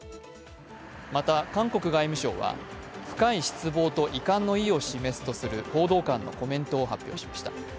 また韓国外務省は深い失望と遺憾の意を示すとする報道官のコメントを発表しました。